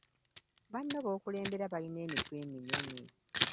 Banno b'okulembera balina emitwe eminene.